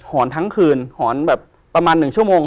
อนทั้งคืนหอนแบบประมาณ๑ชั่วโมง